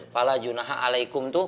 fala junaha alaikum tuh